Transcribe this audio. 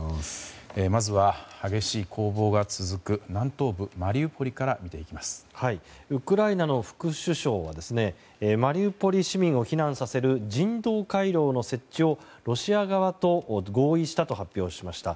まずは激しい攻防が続く南東部マリウポリからウクライナの副首相はマリウポリ市民を避難させる人道回廊の設置をロシア側と合意したと発表しました。